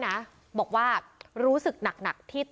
วิทยาลัยศาสตรี